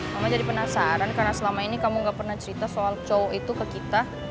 mama jadi penasaran karena selama ini kamu gak pernah cerita soal cowok itu ke kita